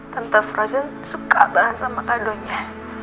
tante frozen suka banget sama kado nya